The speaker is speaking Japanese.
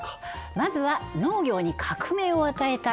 まずは農業に革命を与えた